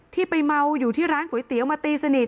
ที่ไปเมาอยู่ที่ร้านก๋วยเตี๋ยวมาตีสนิท